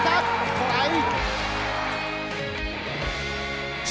トライ！